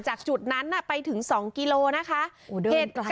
จากจุดนั้นไปถึง๒กิโลนะคะ